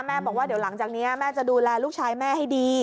บอกว่าเดี๋ยวหลังจากนี้แม่จะดูแลลูกชายแม่ให้ดี